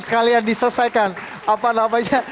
sekalian diselesaikan apa namanya